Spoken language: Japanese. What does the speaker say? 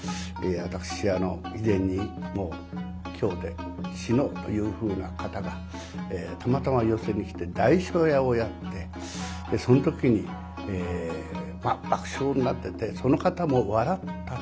私以前にもう今日で死のうというふうな方がたまたま寄席に来て「代書屋」をやってその時にまあ爆笑になっててその方も笑った。